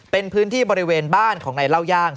เป็นพื้นที่บริเวณบ้านของนายเล่าย่าง